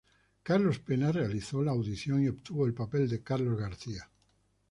Carlos Pena, realizó la audición y obtuvo el papel de Carlos García.